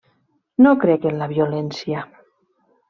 No crec en la violència.